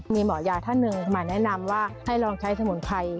มีหมอยาท่านหนึ่งมาแนะนำว่าให้ลองใช้สมุนไพร